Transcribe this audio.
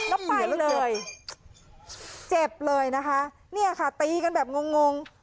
แล้วไปเลยเจ็บเลยนะคะเนี่ยค่ะตีกันแบบงงง